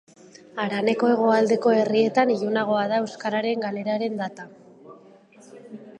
Haraneko hegoaldeko herrietan ilunagoa da euskararen galeraren data.